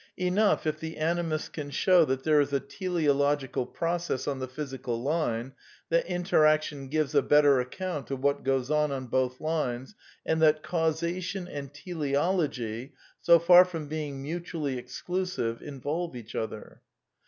Enough, if the Animist can show that there is a tele ological process on the physical line, that interaction gives f a better account of what goes on on both lines, and that J causation and teleology, so far from being mutually ex clusive, involve each other.